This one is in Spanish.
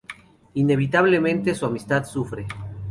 Inevitablemente, su amistad sufre.